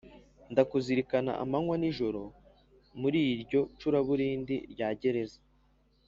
Ndakuzirikana amanywa n’ijoro, Muri iryo curaburindi rya gereza,